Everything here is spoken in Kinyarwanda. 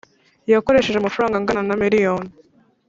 yakoresheje amafaranga angana na miriyoni